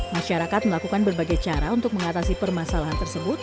masyarakat melakukan berbagai cara untuk mengatasi permasalahan tersebut